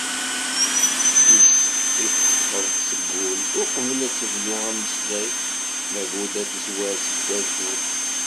Tis i teḥfeḍ seg wul, uqbel ad tebdu ameslay, labud ad d-tezwar seg wazul.